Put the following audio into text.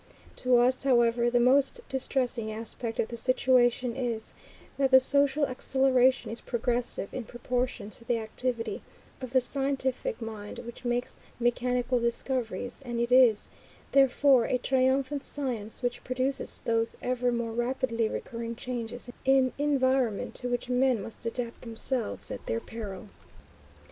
To us, however, the most distressing aspect of the situation is, that the social acceleration is progressive in proportion to the activity of the scientific mind which makes mechanical discoveries, and it is, therefore, a triumphant science which produces those ever more rapidly recurring changes in environment to which men must adapt themselves at their peril.